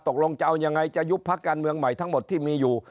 ตกลงจะเอายังไงจะยุบพักการเมืองใหม่ทั้งหมดที่มีอยู่